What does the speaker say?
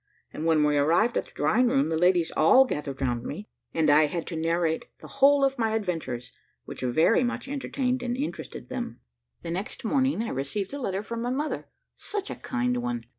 and when we arrived at the drawing room, the ladies all gathered round me, and I had to narrate the whole of my adventures, which very much entertained and interested them. The next morning I received a letter from my mother such a kind one!